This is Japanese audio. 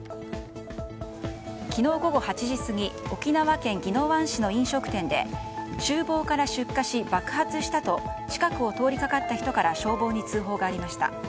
昨日午後８時過ぎ沖縄県宜野湾市の飲食店で厨房から出火し爆発したと近くを通りかかった人から消防に通報がありました。